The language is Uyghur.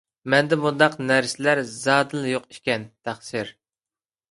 مەندە بۇنداق نەرسە زادىلا يوق ئىكەن، تەقسىر.